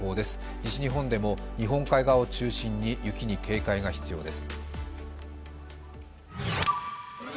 西日本でも日本海側を中心に雪に警戒が必要です。